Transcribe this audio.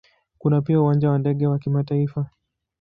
Kuna pia Uwanja wa ndege wa kimataifa.